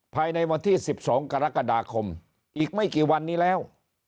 ภายในวันที่๑๒กรกฎาคมอีกไม่กี่วันนี้แล้ว